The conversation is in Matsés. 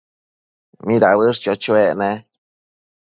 ¿mida uëshquio chuec ne?